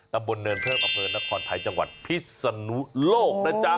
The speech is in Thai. ตำบลเนินเพิ่มอำเภอนครไทยจังหวัดพิศนุโลกนะจ๊ะ